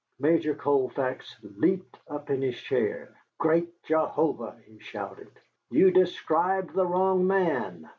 Major Colfax leaped up in his chair. "Great Jehovah!" he shouted, "you described the wrong man."